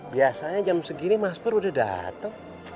biasanya jam segini mas pur udah datang